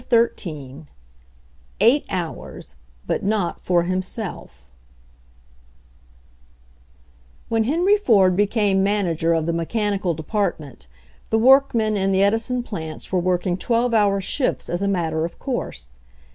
CHAPTER Xm EIGHT HOURS, BUT NOT FOR HIMSELF When Henry Ford became manager of the mechanical department the workmen in the Edi son plants were working twelve hour shifts as a matter of course.